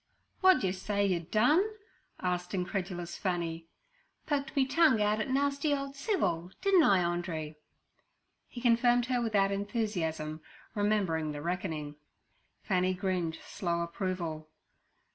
'Wot d'yer say yer done?' asked incredulous Fanny. 'Poked me tongue out at nasty ole Civil. Didn't I, Andree?' He confirmed her without enthusiasm, remembering the reckoning. Fanny grinned slow approval.